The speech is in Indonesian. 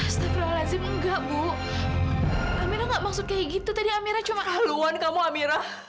astagfirullahaladzim enggak bu amir nggak maksud kayak gitu tadi amir cuma haluan kamu amira